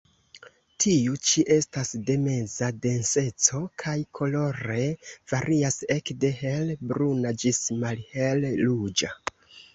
Tiu ĉi estas de meza denseco, kaj kolore varias ekde hel-bruna ĝis malhel-ruĝa.